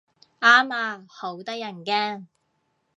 啱啊，好得人驚